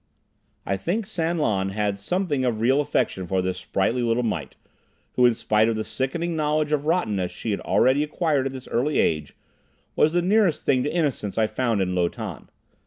I think San Lan held something of real affection for this sprightly little mite, who in spite of the sickening knowledge of rottenness she had already acquired at this early age, was the nearest thing to innocence I found in Lo Tan.